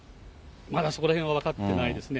まだそこらへんは分かってないですね。